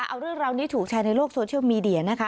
เอาเรื่องราวนี้ถูกแชร์ในโลกโซเชียลมีเดียนะคะ